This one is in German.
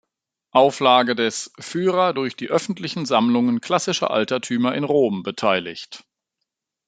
Auflage des "Führer durch die öffentlichen Sammlungen Klassischer Altertümer in Rom" beteiligt.